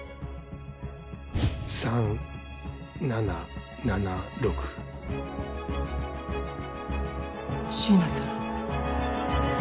３７７６椎名さん。